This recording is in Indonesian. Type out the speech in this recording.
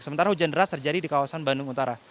sementara hujan deras terjadi di kawasan bandung utara